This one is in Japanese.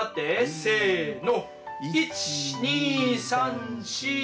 せの。